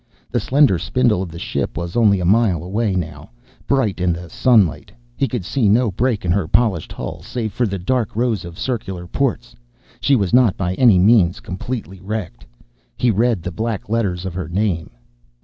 The slender spindle of the ship was only a mile away now, bright in the sunlight. He could see no break in her polished hull, save for the dark rows of circular ports. She was not, by any means, completely wrecked. He read the black letters of her name.